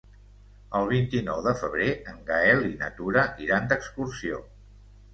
El vint-i-nou de febrer en Gaël i na Tura iran d'excursió.